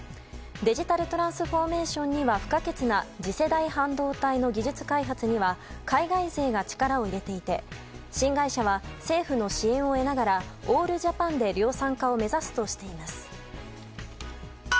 デジタル・トランスフォーメーションには不可欠な次世代半導体の技術開発には海外勢が力を入れていて新会社は政府の支援を得ながらオールジャパンで量産化を目指すとしています。